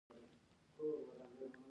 دا به زما په شان نوکران ولري.